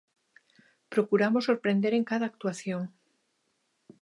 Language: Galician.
Procuramos sorprender en cada actuación.